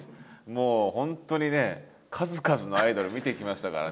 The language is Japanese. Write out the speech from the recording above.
もう本当にね数々のアイドル見てきましたからね。